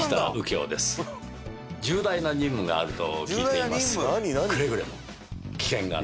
重大な任務があると聞いています。